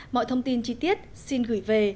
mọi thông tin chi tiết xin gửi về